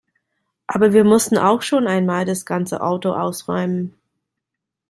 Aber wir mussten auch schon einmal das ganze Auto ausräumen.